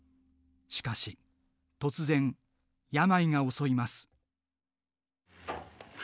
しかし突然病が襲います。